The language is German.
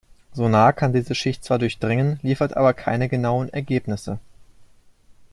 Sonar kann diese Schicht zwar durchdringen, liefert aber keine genauen Ergebnisse.